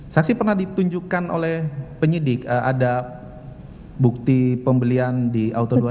saksi pernah ditunjukkan oleh penyidik ada bukti pembelian di auto dua